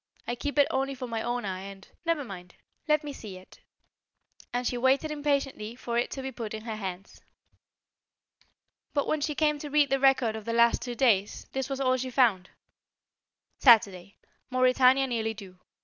I keep it only for my own eye, and " "Never mind; let me see it." And she waited impatiently for it to be put in her hands. But when she came to read the record of the last two days, this was all she found: Saturday: Mauretania nearly due.